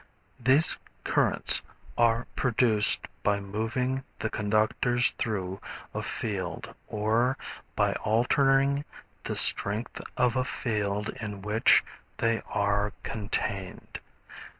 These currents are produced by moving the conductors through a field, or by altering the strength of a field in which they are contained.